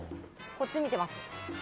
こっち見てます。